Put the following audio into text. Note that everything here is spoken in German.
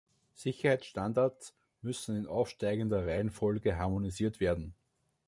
Sicherheitsstandards müssen in aufsteigender Reihenfolge harmonisiert werden.